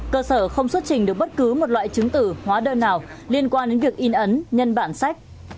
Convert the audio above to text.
cơ sở không xuất trình được bất cứ một loại chứng tử hóa đơn nào liên quan đến việc in ấn nhân bản sách